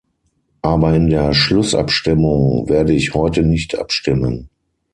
Aber in der Schlussabstimmung werde ich heute nicht abstimmen.